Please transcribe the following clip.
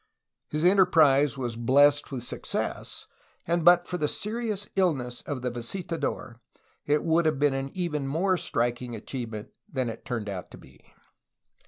His enter prise was blessed with success, and but for the serious illness of the visitador it would have been an even more striking achievement than it turned out to be.